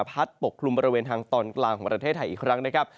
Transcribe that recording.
ปกคลุมบริเวณทางตอนกลางของประเทศไทยอีกครั้งนะครับ